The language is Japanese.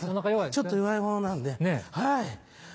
ちょっと弱いものなんではい。